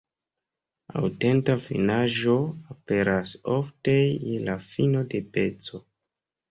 Aŭtenta finaĵo aperas ofte je la fino de peco.